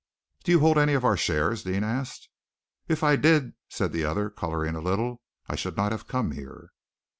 "Do you hold any of our shares?" Deane asked. "If I did," said the other, coloring a little, "I should not have come here."